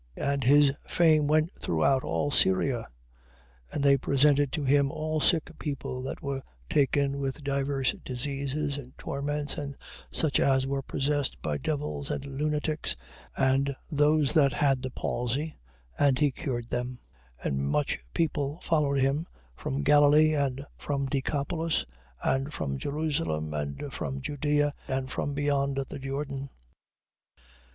4:24. And his fame went throughout all Syria, and they presented to him all sick people that were taken with divers diseases and torments, and such as were possessed by devils, and lunatics, and those that had the palsy, and he cured them: 4:25. And much people followed him from Galilee, and from Decapolis, and from Jerusalem, and from Judea, and from beyond the Jordan.